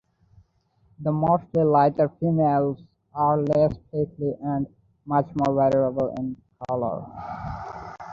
The mostly lighter females are less prickly and much more variable in color.